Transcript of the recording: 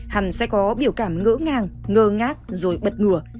hẳn sẽ có biểu cảm ngỡ ngàng ngơ ngác rồi bật ngủ